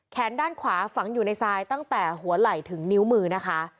ด้านขวาฝังอยู่ในทรายตั้งแต่หัวไหล่ถึงนิ้วมือนะคะ